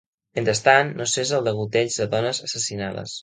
Mentrestant, no cessa el degoteig de dones assassinades.